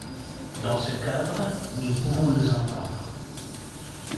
Dans ce cadre, nous pouvons nous entendre.